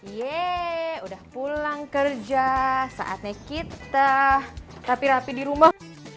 yeay udah pulang kerja saatnya kita rapi rapi di rumah